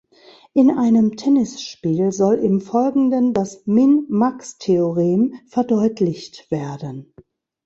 In einem Tennisspiel soll im Folgenden das Min-Max-Theorem verdeutlicht werden.